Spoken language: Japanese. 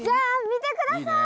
見てください